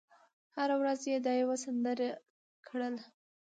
هره ورځ یې دا یوه سندره کړله